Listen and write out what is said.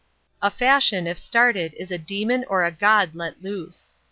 A fashion if started is a demon or a god let loose.